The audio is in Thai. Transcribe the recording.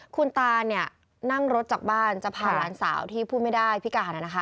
คุณตานั่งรถจากบ้านจะพาหลานสาวที่พูดไม่ได้พิการ